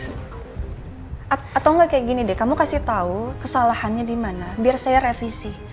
hai atau enggak kayak gini deh kamu kasih tahu kesalahannya dimana biar saya revisi